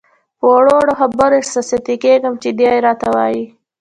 په وړو وړو خبرو احساساتي کېږم چې دی راته وایي.